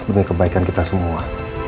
ini untuk kebaikan kita semua